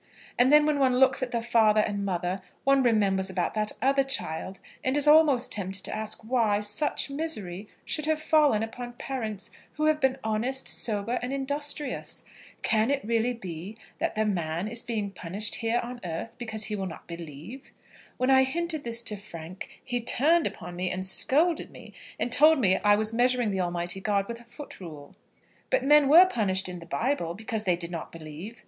And then, when one looks at the father and mother, one remembers about that other child, and is almost tempted to ask why such misery should have fallen upon parents who have been honest, sober, and industrious. Can it really be that the man is being punished here on earth because he will not believe? When I hinted this to Frank, he turned upon me, and scolded me, and told me I was measuring the Almighty God with a foot rule. But men were punished in the Bible because they did not believe.